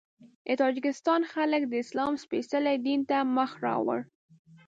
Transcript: د تاجکستان خلک د اسلام سپېڅلي دین ته مخ راوړ.